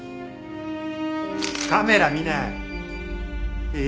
カメラ見ない！